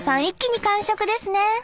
一気に完食ですね。